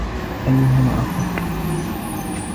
أَيُّمَا أَفْضَلُ